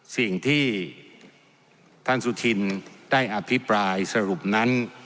สิ่งที่ท่านสุธินได้อภิปรายสรุปนั้น